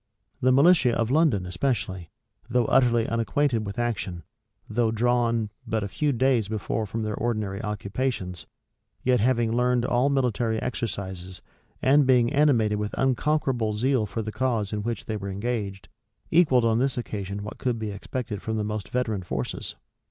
The militia of London especially, though utterly unacquainted with action, though drawn hut a few days before from their ordinary occupations, yet having learned all military exercises, and being animated with unconquerable zeal for the cause in which they were engaged, equalled on this occasion what could be expected from the most veteran forces.